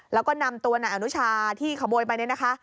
แล้วก็นำตัวนายอนุชาที่ขโมยไปเนี่ยนะคะ